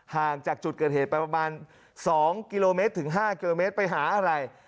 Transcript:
ห่างจากจุดเกิดเหตุไปประมาณ๒กิโลเมตรถึง๕กิโลเมตรไปหาอะไร